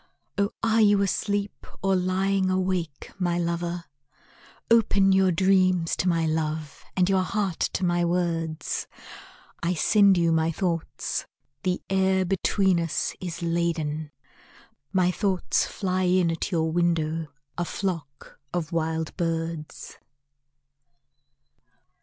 Oh are you asleep, or lying awake, my lover? Open your dreams to my love and your heart to my words, I send you my thoughts the air between us is laden, My thoughts fly in at your window, a flock of wild birds.